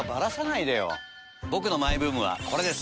僕のマイブームはこれです。